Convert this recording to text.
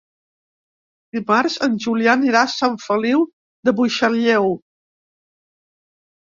Dimarts en Julià anirà a Sant Feliu de Buixalleu.